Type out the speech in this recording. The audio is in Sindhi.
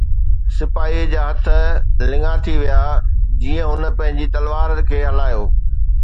سپاهيءَ جا هٿ لڱا ٿي ويا جيئن هن پنهنجي تلوار کي هلايو.